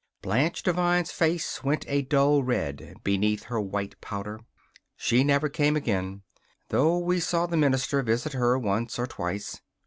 Blanche Devine's face went a dull red beneath her white powder. She never came again though we saw the minister visit her once or twice.